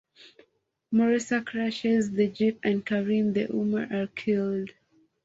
Moosa crashes the jeep and Kareem and Umar are killed.